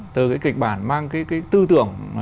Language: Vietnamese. từ cái kịch bản mang cái tư tưởng